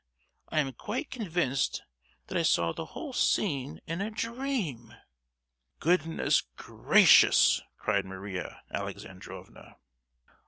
I am quite convinced that I saw the whole scene in a dream!" "Goodness gracious!" cried Maria Alexandrovna.